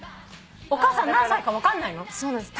お母さん何歳か分かんないの？